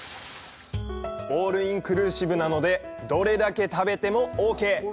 オールインクルーシブなのでどれだけ食べてもオーケー！